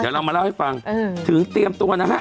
เดี๋ยวเรามาเล่าให้ฟังถึงเตรียมตัวนะฮะ